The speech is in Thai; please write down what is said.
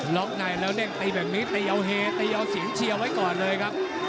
ล็อกในแล้วเด้งตีแบบนี้ตีเอาเฮตีเอาเสียงเชียร์ไว้ก่อนเลยครับ